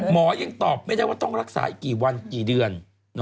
หมอยังตอบไม่ได้ว่าต้องรักษาอีกกี่วันกี่เดือน